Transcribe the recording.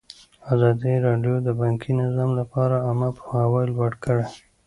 ازادي راډیو د بانکي نظام لپاره عامه پوهاوي لوړ کړی.